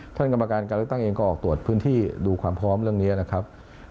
กรรมการการเลือกตั้งเองก็ออกตรวจพื้นที่ดูความพร้อมเรื่องนี้นะครับ